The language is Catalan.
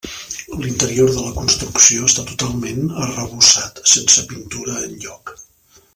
L'interior de la construcció està totalment arrebossat, sense pintura enlloc.